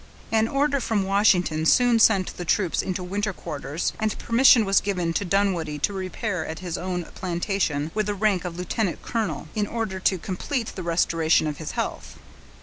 An order from Washington soon sent the troops into winter quarters, and permission was given to Dunwoodie to repair to his own plantation, with the rank of lieutenant colonel, in order to complete the restoration of his health.